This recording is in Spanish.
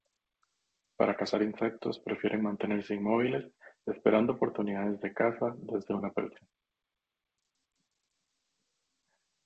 Para cazar insectos prefieren mantenerse inmóviles esperando oportunidades de caza desde una percha.